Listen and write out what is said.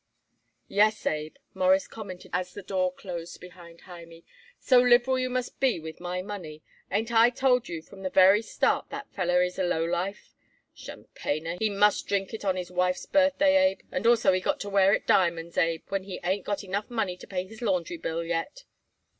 "Yes, Abe," Morris commented as the door closed behind Hymie, "so liberal you must be with my money. Ain't I told you from the very start that feller is a lowlife? Tchampanyer he must drink it on his wife's birthday, Abe, and also he got to wear it diamonds, Abe, when he ain't got enough money to pay his laundry bill yet."